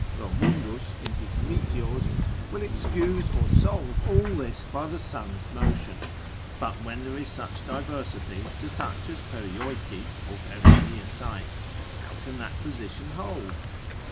Fromundus in his Meteors will excuse or solve all this by the sun's motion, but when there is such diversity to such as Perioeci or very near site, how can that position hold?